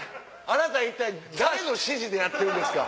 あなた一体誰の指示でやってるんですか？